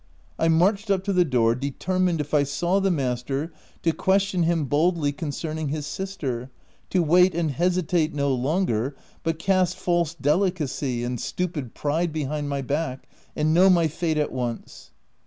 I marched up to the door, determined if I saw the master, to ques tion him boldly concerning his sister, to wait and hesitate no longer, but cast false delicacy and stupid pride behind my back, and know my fate at once.